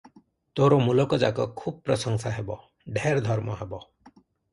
ତୋର ମୁଲକଯାକ ଖୁବ୍ ପ୍ରଶଂସା ହେବ, ଢେର ଧର୍ମ ହେବ ।